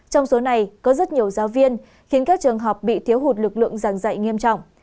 trong số này có rất nhiều giáo viên khiến các trường học bị thiếu hụt lực lượng giảng dạy nghiêm trọng